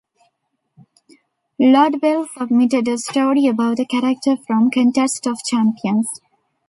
Lobdell submitted a story about a character from Contest of Champions.